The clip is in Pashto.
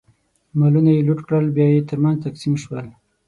مالونه یې لوټ کړل، بیا یې ترمنځ تقسیم شول.